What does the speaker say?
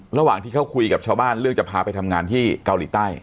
ระหว่างที่เขาคุยกับชาวบ้านเรื่องจะพาไปทำงานที่เกาหลีใต้